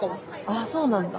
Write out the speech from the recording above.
あそうなんだ。